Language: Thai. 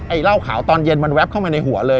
เหล้าขาวตอนเย็นมันแป๊บเข้ามาในหัวเลย